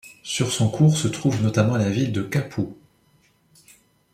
Sur son cours se trouve notamment la ville de Capoue.